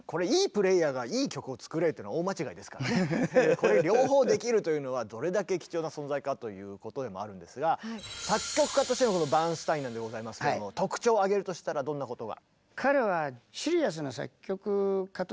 これ両方できるというのはどれだけ貴重な存在かということでもあるんですが作曲家としてのバーンスタインなんでございますけども特徴を挙げるとしたらどんなことが？